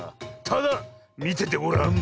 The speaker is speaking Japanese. ただみててごらん。